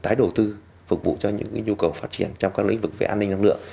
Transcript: tái đầu tư phục vụ cho những nhu cầu phát triển trong các lĩnh vực về an ninh năng lượng